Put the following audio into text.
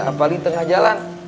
apalagi tengah jalan